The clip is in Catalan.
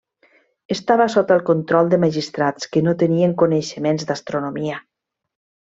Estava sota el control de magistrats que no tenien coneixements d'astronomia.